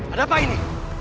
ada apa ini